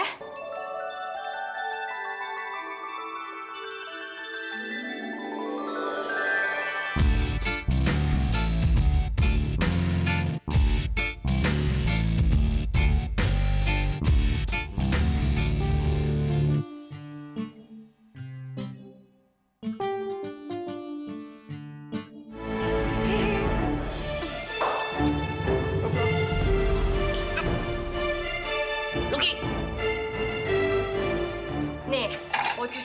tante aku mau pergi